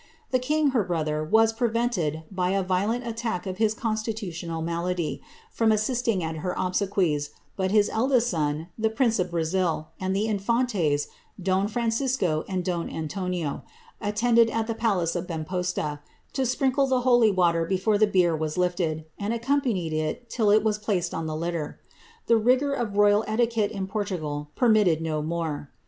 The king, her brother, ?d, by a violent attack of his constitutional malady, from [ier obsequies, but his eldest son, the prince of Brazil, and don Francisco and don Antonio, attended at the palace of • sprinkle the holy water before the bier was lifted, and ac till it was placed on the litter ; the rigour of royal etiquette permitted no more.